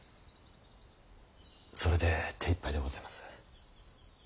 それで手いっぱいでございます。